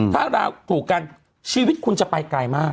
ถ้าเราถูกกันชีวิตคุณจะไปไกลมาก